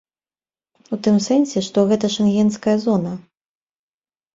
У тым сэнсе, што гэта шэнгенская зона.